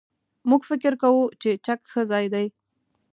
موږ فکر کوو چې چک ښه ځای دی.